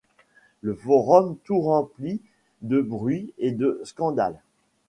Le forum tout rempli de bruit et de scandales